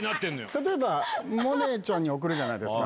例えば萌音ちゃんに送るじゃないですか。